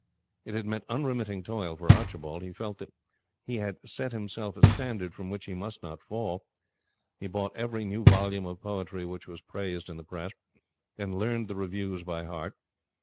It had meant unremitting toil for Archibald. He felt that he had set himself a standard from which he must not fall. He bought every new volume of poetry which was praised in the press, and learned the reviews by heart.